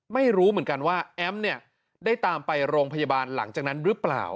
ไม่รู้หรืออะไรก็ไม่รู้เหมือนกันว่าแอมได้ตามไปโรงพยาบาลหลังจากนั้นหรือเปล่า